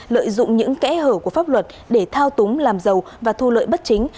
lợi dụng những kẽ hở của pháp luật để thao túng làm giàu và thu lợi bất chính